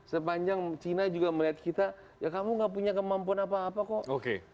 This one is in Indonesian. sepanjang cina juga melihat kita ya kamu gak punya kemampuan apa apa kok